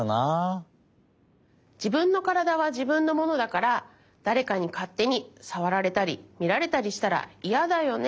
じぶんの体はじぶんのものだからだれかにかってにさわられたりみられたりしたらイヤだよね。